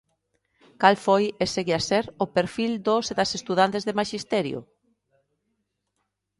Cal foi, e segue a ser, o perfil dos e das estudantes de Maxisterio?